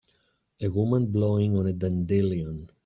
A woman blowing on a dandelion.